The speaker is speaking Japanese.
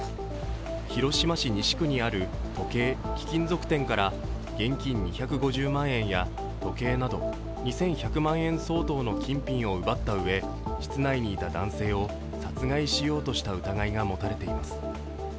広島市西区にある時計・貴金属店から現金２５０万円や時計など２１００万円相当の金品を奪ったうえ室内にいた男性を殺害しようとした疑いが持たれています。